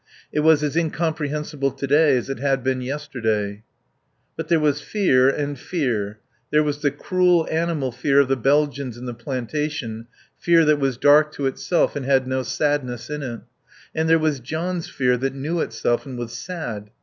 It was as incomprehensible to day as it had been yesterday. But there was fear and fear. There was the cruel, animal fear of the Belgians in the plantation, fear that was dark to itself and had no sadness in it; and there was John's fear that knew itself and was sad.